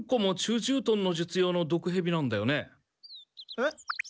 えっ？